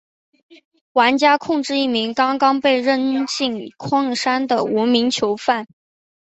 玩家控制一名刚刚被扔进矿山的无名囚犯。